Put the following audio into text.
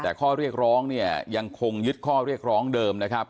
แต่ข้อเรียกร้องเนี่ยยังคงยึดข้อเรียกร้องเดิมนะครับ